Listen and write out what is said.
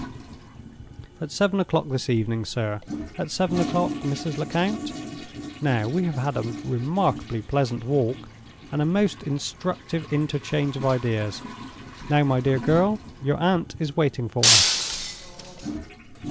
At seven o'clock this evening, sir—at seven o'clock, Mrs. Lecount. We have had a remarkably pleasant walk, and a most instructive interchange of ideas. Now, my dear girl, your aunt is waiting for us."